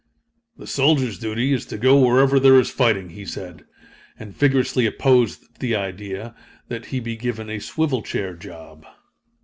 "The soldier's duty is to go wherever there is fighting," he said, and vigorously opposed the idea that he be given a swivel chair job.